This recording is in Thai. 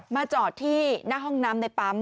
จอดที่หน้าห้องน้ำในปั๊ม